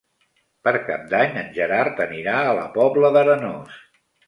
Per Cap d'Any en Gerard anirà a la Pobla d'Arenós.